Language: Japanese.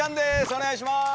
お願いします。